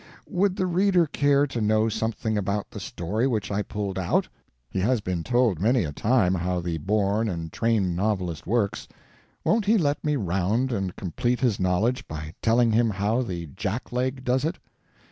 Would the reader care to know something about the story which I pulled out? He has been told many a time how the born and trained novelist works. Won't he let me round and complete his knowledge by telling him how the jack leg does it?